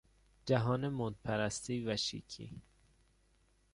جهان مد پرستی و شیکی